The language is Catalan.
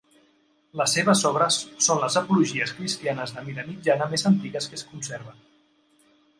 Les seves obres són les apologies cristianes de mida mitjana més antigues que es conserven.